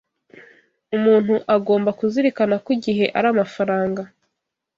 Umuntu agomba kuzirikana ko igihe ari amafaranga.